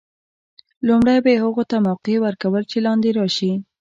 لومړی به یې هغو ته موقع ور کول چې لاندې راشي.